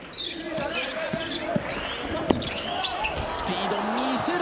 スピード、見せる。